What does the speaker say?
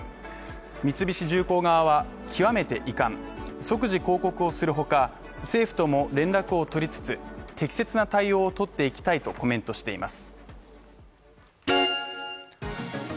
三菱重工側は極めて遺憾即時抗告をするほか、政府とも連絡を取りつつ、適切な対応をとっていきたいとコメントしています。